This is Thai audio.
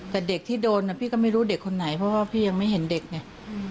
แต่เด็กที่โดนพี่ก็ไม่รู้เด็กคนไหนเพราะว่าพี่ยังไม่เห็นเด็กไง